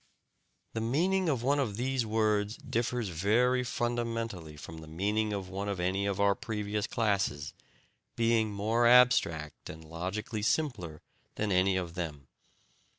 The meaning of one of these words differs very fundamentally from the meaning of one of any of our previous classes, being more abstract and logically simpler than any of them.